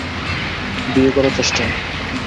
বিয়ে করা চেষ্টা না!